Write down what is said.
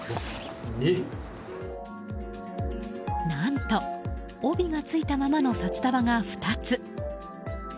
何と、帯がついたままの札束が２つ。